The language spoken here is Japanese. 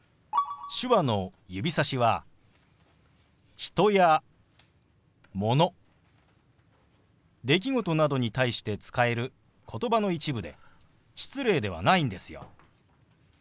手話の指さしは人やもの出来事などに対して使える言葉の一部で失礼ではないんですよ。